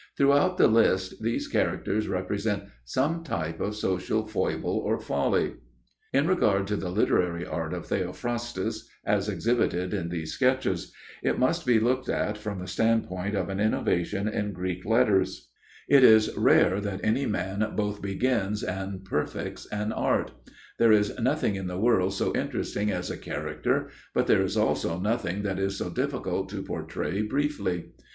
Throughout the list these characters represent some type of social foible or folly. [Sidenote: The Literary Art of Theophrastus] [Sidenote: The Canons of his Art] In regard to the literary art of Theophrastus, as exhibited in these sketches, it must be looked at from the standpoint of an innovation in Greek letters; it is rare that any man both begins and perfects an art. There is nothing in the world so interesting as a character, but there is also nothing that is so difficult to portray briefly.